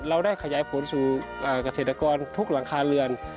เราได้ขยายผลสู่เกษตรกรทุกหลังคาเรือน